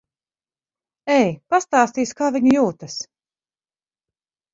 Ej. Pastāstīsi, kā viņa jūtas.